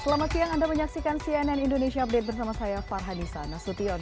selamat siang anda menyaksikan cnn indonesia update bersama saya farhanisa nasution